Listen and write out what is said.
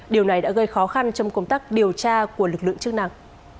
điều này đã gây khó khăn trong công tác điều tra của lực lượng chức năng